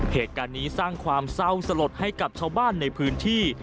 เหตุการณ์นี้สร้างความเศร้าสลดให้กับชาวบ้านในพื้นที่